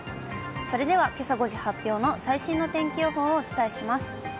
それではけさ５時発表の最新の天気予報をお伝えします。